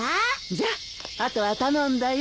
じゃあ後は頼んだよ。